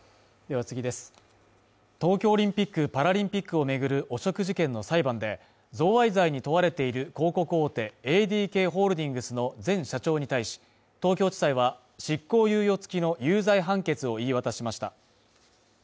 東京オリンピック・パラリンピックを巡る汚職事件の裁判で贈賄罪に問われている広告大手ＡＤＫホールディングスの前社長に対し、東京地裁は執行猶予付きの有罪判決を言い渡しました。